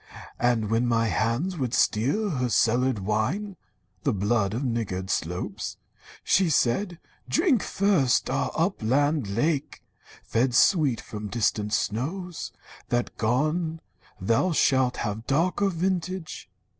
And when my hands would steal her cellared wine, (The blood of niggard slopes), she said: 'Drink first Our upland lake, fed sweet from distant snows. That gone, thou shalt have darker vintage.'